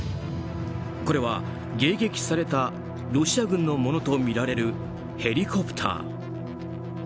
これは迎撃されたロシア軍のものとみられるヘリコプター。